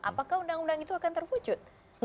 apakah undang undang itu akan terwujud